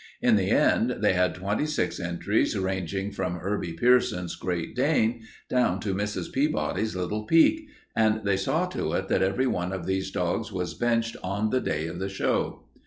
In the end, they had twenty six entries, ranging from Herbie Pierson's Great Dane down to Mrs. Peabody's little Peke, and they saw to it that every one of these dogs was benched on the day of the show.